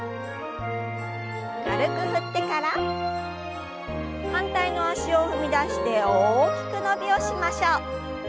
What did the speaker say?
軽く振ってから反対の脚を踏み出して大きく伸びをしましょう。